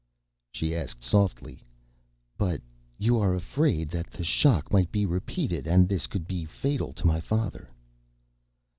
She asked softly, "But you are afraid that the shock might be repeated, and this could be fatal to my father?"